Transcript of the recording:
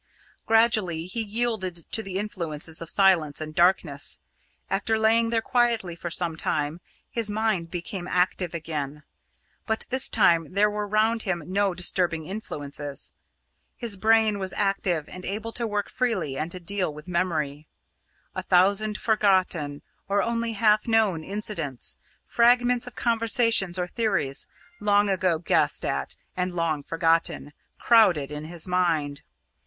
Gradually he yielded to the influences of silence and darkness. After lying there quietly for some time, his mind became active again. But this time there were round him no disturbing influences; his brain was active and able to work freely and to deal with memory. A thousand forgotten or only half known incidents, fragments of conversations or theories long ago guessed at and long forgotten, crowded on his mind.